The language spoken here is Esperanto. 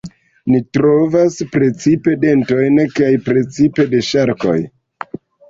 Oni trovas precipe dentojn, kaj precipe de ŝarkoj.